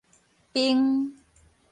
冰